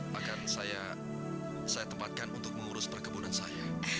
bahkan saya tempatkan untuk mengurus perkebunan saya